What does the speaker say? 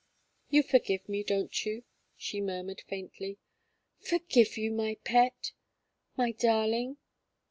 "You forgive me, don't you?" she murmured faintly. "Forgive you! my pet my darling."